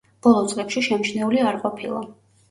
ბოლო წლებში შემჩნეული არ ყოფილა.